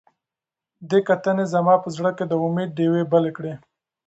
دې کتنې زما په زړه کې د امید ډیوې بلې کړې.